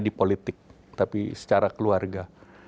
di politik tapi secara keluarga